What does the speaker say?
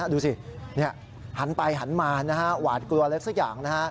ดูสิหันไปหันมานะฮะหวาดกลัวอะไรสักอย่างนะฮะ